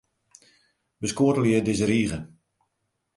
Beskoattelje dizze rige.